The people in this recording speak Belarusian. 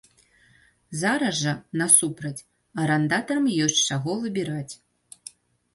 Зараз жа, насупраць, арандатарам ёсць з чаго выбіраць.